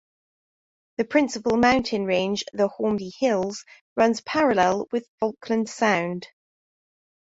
The principal mountain range, the Hornby Hills, runs parallel with Falkland Sound.